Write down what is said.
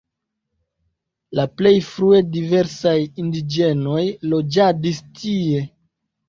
La plej frue diversaj indiĝenoj loĝadis tie.